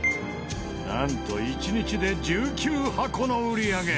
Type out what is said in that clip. なんと１日で１９箱の売り上げ。